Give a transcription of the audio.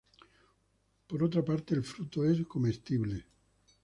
Por otra parte el fruto es comestible.